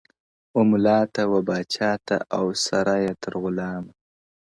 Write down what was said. و مُلا ته ـ و پاچا ته او سره یې تر غلامه ـ